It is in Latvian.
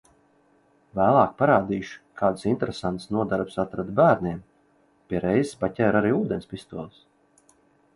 Vēlāk parādīšu, kādas interesantas nodarbes atradu bērniem. Pie reizes paķēru arī ūdens pistoles.